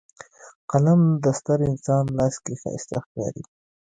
قلم د ستر انسان لاس کې ښایسته ښکاري